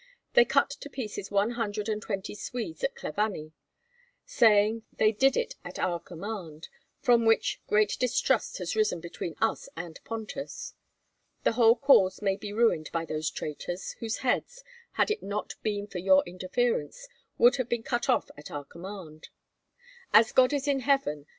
They cut to pieces one hundred and twenty Swedes at Klavany, saying that they did it at our command, from which great distrust has arisen between us and Pontus. The whole cause may be ruined by those traitors, whose heads, had it not been for your interference, would have been cut off at our command, as God is in heaven.